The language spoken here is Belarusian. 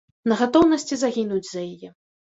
На гатоўнасці загінуць за яе.